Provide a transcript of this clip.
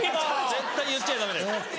絶対言っちゃダメだよ。